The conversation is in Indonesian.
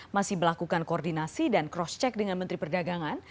masih melakukan koordinasi dan cross check dengan menteri perdagangan